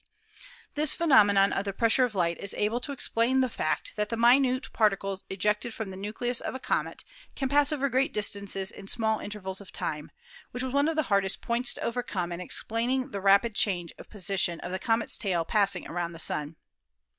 This phenomenon of the pressure of light is able to explain the fact that the minute particles ejected from the nucleus of a comet can pass over great distances in small intervals of time, which was one of the hardest COMETS, METEORS, AND METEORITES 247 points to overcome in explaining the rapid change of posi tion of the comet's tail passing around the Sun.